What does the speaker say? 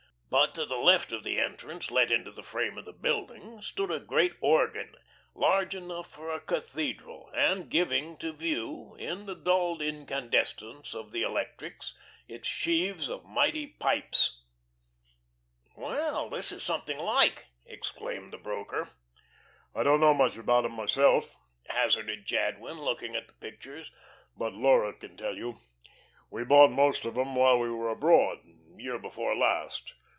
But to the left of the entrance, let into the frame of the building, stood a great organ, large enough for a cathedral, and giving to view, in the dulled incandescence of the electrics, its sheaves of mighty pipes. "Well, this is something like," exclaimed the broker. "I don't know much about 'em myself," hazarded Jadwin, looking at the pictures, "but Laura can tell you. We bought most of 'em while we were abroad, year before last.